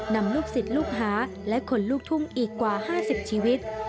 นำลูกศิษย์ลูกหาและคนลูกทุ่งอีกกว่า๕๐ชีวิต